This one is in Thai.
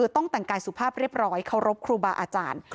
ต้องแต่งกายสุภาพเรียบร้อยเคารพครูบาอาจารย์